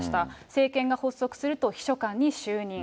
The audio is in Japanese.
政権が発足すると秘書官に就任。